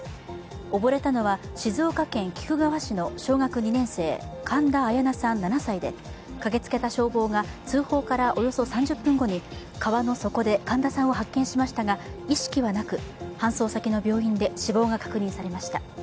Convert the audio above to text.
溺れたのは静岡県菊川市の小学２年生、神田彩陽奈さん７歳で、駆けつけた消防が通報からおよそ３０分後に川の底で神田さんを発見しましたが意識はなく、搬送先の病院で死亡が確認されました。